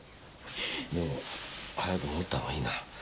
でも早く戻ったほうがいいな。